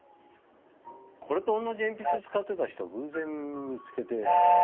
これと同じ鉛筆使ってた人偶然見つけて。